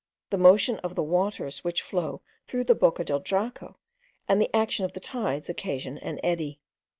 The motion of the waters which flow through the Boca del Draco, and the action of the tides, occasion an eddy.